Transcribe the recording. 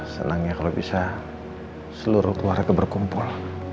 senangnya kalau bisa seluruh keluarga berkumpul